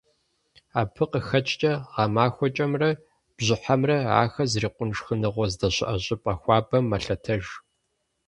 Абы къыхэкӏкӏэ гъэмахуэкӏэмрэ бжьыхьэмрэ ахэр зрикъун шхыныгъуэ здэщыӏэ щӏыпӏэ хуабэм мэлъэтэж.